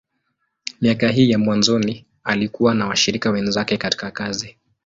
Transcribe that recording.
Miaka hii ya mwanzoni, alikuwa na washirika wenzake katika kazi.